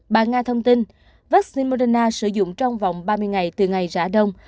bà nga thông tin vaccine moderna sử dụng trong vòng ba mươi ngày từ ngày rã đông